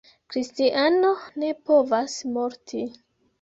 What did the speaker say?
Kristiano ne povas morti.